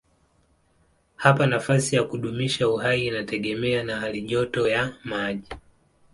Hapa nafasi ya kudumisha uhai inategemea na halijoto ya maji.